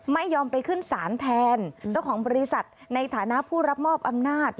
ไม่ยอมไปขึ้นศาลแทนเจ้าของบริษัทในฐานะผู้รับมอบอำนาจ